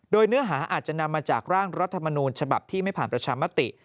โดยเนื้อหาอาจจะนำมาจากร่างรัฐมนูญฉบับที่ไม่ผ่านประชามติ